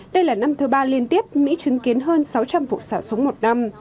đây là năm thứ ba liên tiếp mỹ chứng kiến hơn sáu trăm linh vụ xả súng một năm